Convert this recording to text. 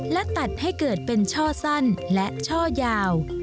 และตัดให้เกิดเป็นช่อสั้นและช่อยาว